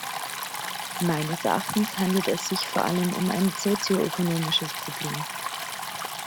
Meines Erachtens handelt es sich vor allem um ein sozioökonomisches Problem.